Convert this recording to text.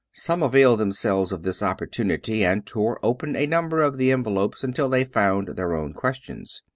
Some availed themselves of this opportunity and tore open a number of the envelopes until they found their own ques tions.